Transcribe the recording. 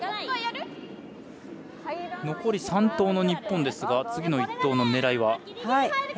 残り３投の日本ですが次の１投の狙いは？